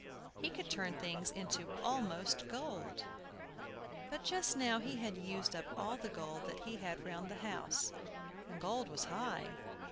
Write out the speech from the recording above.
He could turn things into almost gold. But just now he had used up all the gold that he had round the house, and gold was high.